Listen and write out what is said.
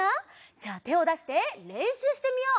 じゃあてをだしてれんしゅうしてみよう。